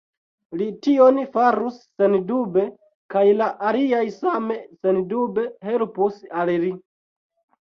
Li tion farus sendube, kaj la aliaj same sendube helpus al li.